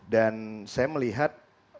dan saya melihat